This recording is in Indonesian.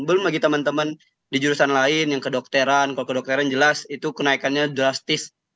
belum lagi teman teman di jurusan lain yang kedokteran kalau kedokteran jelas itu kenaikannya drastis